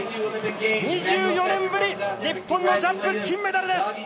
２４年ぶり、日本のジャンプ金メダルです！